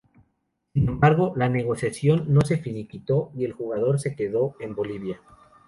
Sin embargo, la negociación no se finiquitó y el jugador se quedó en Bolivia.